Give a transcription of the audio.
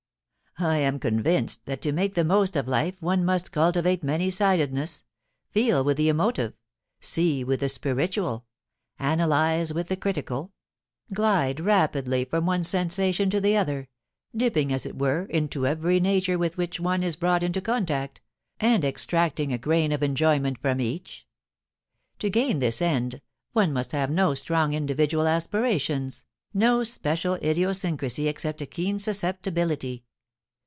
I am convinced that to make the most of life one must cultivate many sidedness — feel with the emo tive — see with the spiritual — analyse with the critical — glide rapidly from one sensation to the other — dipping, as it were, into every nature with which one is brought into contact, and extracting a grain of enjoyment from each. To gain this end one must have no strong individual aspirations, no special idiosyncrasy except a keen susceptibility.